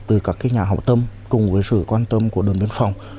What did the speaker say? từ các nhà học tâm cùng với sự quan tâm của đường biên phòng